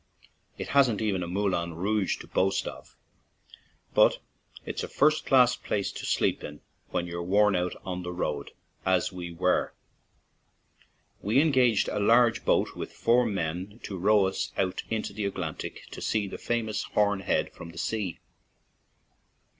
It hasn't even a Moulin Rouge to boast of, but it's a first class place to sleep in when you're worn out on the road, as we were. We engaged a large boat with four men to row us out into the Atlantic to see the famous Horn Head from the sea.